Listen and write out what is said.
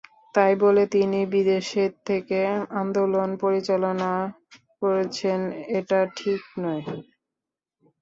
তাই বলে তিনি বিদেশে থেকে আন্দোলন পরিচালনা করেছেন, এটা ঠিক নয়।